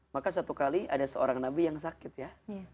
maka satu kali ada seorang nabi yang sakit ya